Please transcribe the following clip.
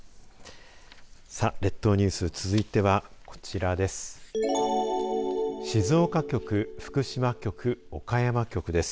列島ニュース続いてはこちらです。